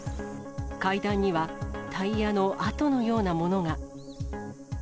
階段には、タイヤの跡のようなものが。